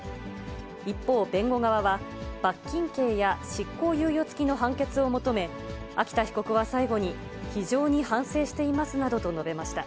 一方、弁護側は、罰金刑や執行猶予付きの判決を求め、秋田被告は最後に、非常に反省していますなどと述べました。